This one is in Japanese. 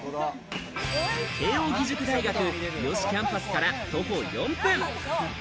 慶應義塾大学・日吉キャンパスから徒歩４分。